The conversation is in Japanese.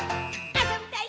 あそびたい！」